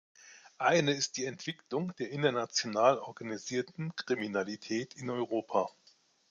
Eine ist die Entwicklung der international organisierten Kriminalität in Europa.